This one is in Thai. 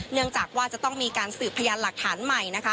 เนื่องจากว่าจะต้องมีการสืบพยานหลักฐานใหม่นะคะ